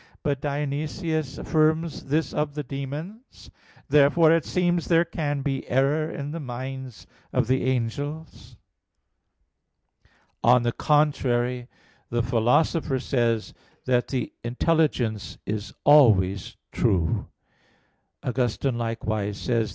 But Dionysius (Div. Nom. vii) affirms this of the demons. Therefore it seems that there can be error in the minds of the angels. On the contrary, The Philosopher says (De Anima iii, text. 41) that "the intelligence is always true." Augustine likewise says (QQ.